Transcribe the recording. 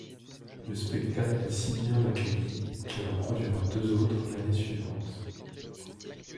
Le spectacle est si bien accueilli qu'elle en produira deux autres l'année suivante.